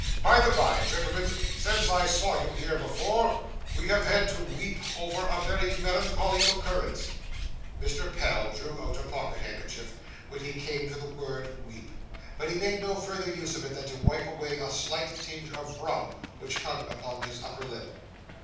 By the bye, gentlemen, since I saw you here before, we have had to weep over a very melancholy occurrence.' Mr. Pell drew out a pocket handkerchief, when he came to the word weep, but he made no further use of it than to wipe away a slight tinge of rum which hung upon his upper lip.